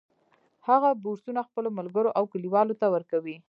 هغه بورسونه خپلو ملګرو او کلیوالو ته ورکوي